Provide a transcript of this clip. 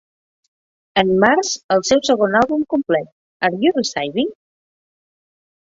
En març, el seu segon àlbum complet, "Are You Receiving?"